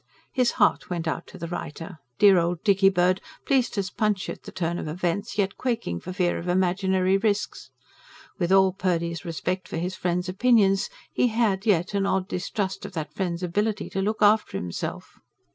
His heart went out to the writer. Dear old Dickybird! pleased as Punch at the turn of events, yet quaking for fear of imaginary risks. With all Purdy's respect for his friend's opinions, he had yet an odd distrust of that friend's ability to look after himself.